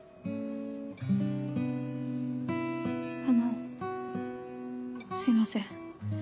あのすいません。